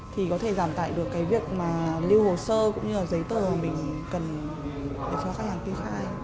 thì có thể giảm tại được cái việc mà lưu hồ sơ cũng như là giấy tờ mình cần để cho khách hàng kê khai